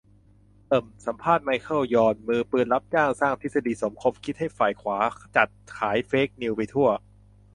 เอิ่ม สัมภาษณ์ ไมเคิล ยอน มือปืนรับจ้างสร้างทฤษฎีสมคบคิดให้ฝ่ายขวาจัด ขายเฟคนิวส์ไปทั่ว